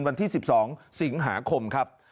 วันที่๑๒สิงหาคมครับ